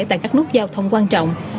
tại các nút giao thông quan trọng